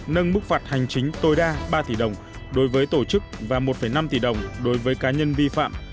nâng mức phạt hành chính tối đa ba tỷ đồng đối với tổ chức và một năm tỷ đồng đối với cá nhân vi phạm